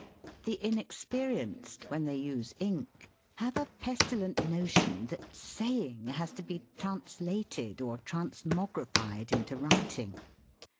The inexperienced, when they use ink, have a pestilent notion tliat saying has to be translated or transmogrified into writing.